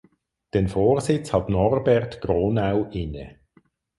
Den Vorsitz hat Norbert Gronau inne.